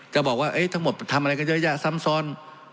ก็บอกว่าทั้งหมดทำอะไรกันเยอะแยะซ้ำซ้อน